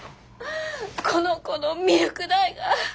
この子のミルク代が。